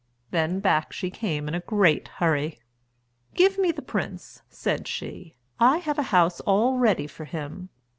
Then back she came in a great hurry. "Give me the prince," said she, "I have a house all ready for him.